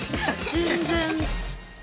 全然。